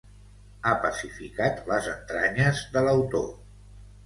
ha pacificat les entranyes de l'autor